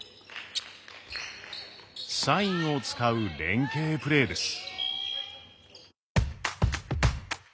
サインを使う連携プレーです。